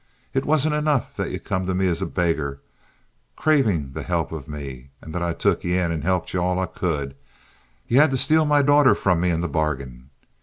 It wasn't enough that ye come to me as a beggar, cravin' the help of me, and that I took ye in and helped ye all I could—ye had to steal my daughter from me in the bargain.